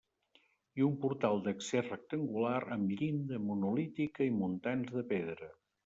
I un portal d'accés rectangular amb llinda monolítica i muntants de pedra.